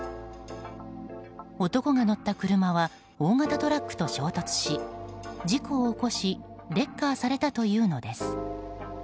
男が乗った車は大型トラックと衝突し事故を起こしレッカーされたというのです。